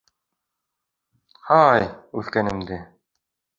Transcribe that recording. — Һай, үҫкәнемде!